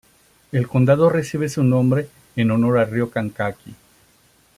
El condado recibe su nombre en honor al Río Kankakee.